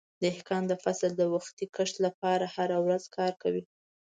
دهقان د فصل د وختي کښت لپاره هره ورځ کار کوي.